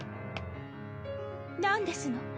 何ですの？